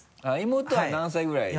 妹は何歳ぐらい？